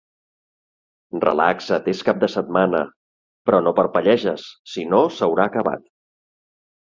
Relaxa't, és cap de setmana; però no parpelleges, si no, s'haurà acabat.